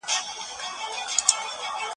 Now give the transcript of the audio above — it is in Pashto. د ټولني هر وګړی د تولید په پروسه کي ونډه لري.